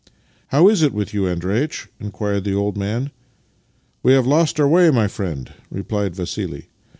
" How is it with j'ou, Andreitch? " inquired the old man. " We have lost our way, my friend," replied Vassili.